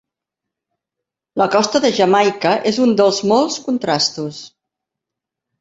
La costa de Jamaica és un dels molts contrastos.